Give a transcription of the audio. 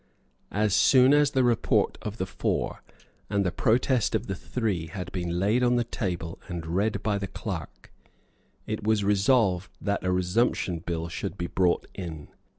As soon as the report of the four and the protest of the three had been laid on the table and read by the clerk, it was resolved that a Resumption Bill should be brought in.